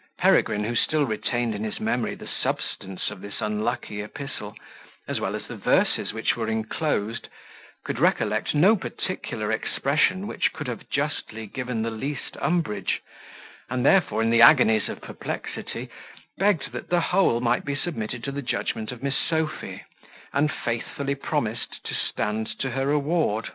Peregrine, who still retained in his memory the substance of this unlucky epistle, as well as the verses which were inclosed, could recollect no particular expression which could have justly given the least umbrage; and therefore, in the agonies of perplexity, begged that the whole might be submitted to the judgment of Miss Sophy, and faithfully promised to stand to her award.